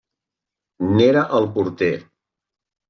N'era el porter.